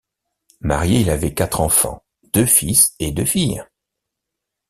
Marié, il avait quatre enfants, deux fils et deux filles.